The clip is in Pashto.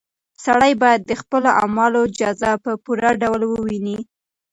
سړی باید د خپلو اعمالو جزا په پوره ډول وویني.